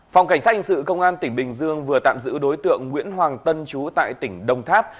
phòng cảnh sát hình sự công an tỉnh bình dương vừa tạm giữ đối tượng nguyễn hoàng tân chú tại tỉnh đồng tháp